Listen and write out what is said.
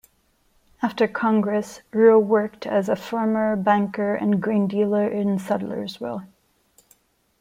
After Congress, Roe worked as a farmer, banker, and grain dealer in Sudlersville.